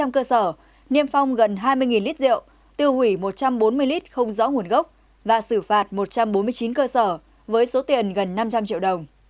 một trăm linh cơ sở niêm phong gần hai mươi lít rượu tiêu hủy một trăm bốn mươi lít không rõ nguồn gốc và xử phạt một trăm bốn mươi chín cơ sở với số tiền gần năm trăm linh triệu đồng